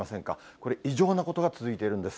これ、異常なことが続いているんです。